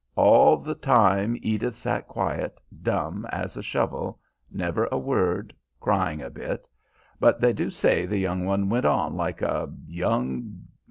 All the time Edith sat quiet, dumb as a shovel, never a word, crying a bit; but they do say the young one went on like a ... a young